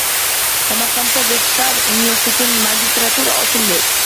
Samarqandda Vebster universiteti magistraturasi ochiladi